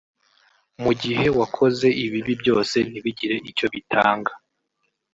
Mu gihe wakoze ibi byose ntibigire icyo bitanga